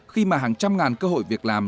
khi mà hàng trăm ngàn cơ hội việc làm